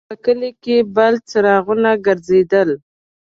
په کلي کې بل څراغونه ګرځېدل.